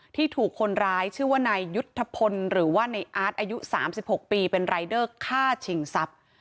ที่ถูกคนร้ายชื่อว่านายยุทธพลหรือว่าในอาร์ตอายุ๓๖ปีเป็นรายเดอร์ฆ่าชิงทรัพย์